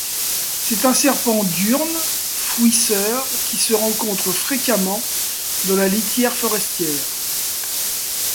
C'est un serpent diurne fouisseur qui se rencontre fréquemment dans la litière forestière.